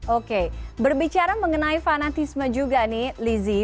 oke berbicara mengenai fanatisme juga nih lizzie